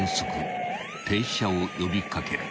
［停車を呼び掛ける］